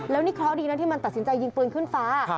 แล้วนี่เคราะห์ดีนะที่มันตัดสินใจยิงปืนขึ้นฟ้า